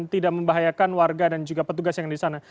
tidak membahayakan warga dan juga petugas yang di sana